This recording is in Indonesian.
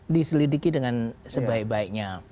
diselidiki dengan sebaik baiknya